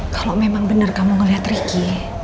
kalau memang bener kamu ngeliat riki